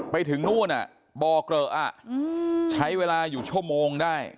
ไปถึงนู่นบ่อเกลอะใช้เวลาอยู่ชั่วโมงได้